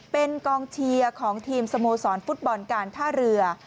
เป็นกองเชียร์ของทีมสโมสรฟุตบอลการท่าเรือ